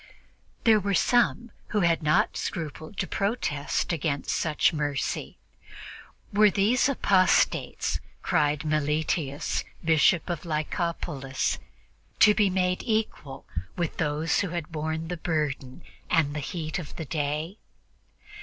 There were some who had not scrupled to protest against such mercy. "Were these apostates," cried Meletius, Bishop of Lykopolis, "to be made equal to those who had borne the burden and the heat of the day?"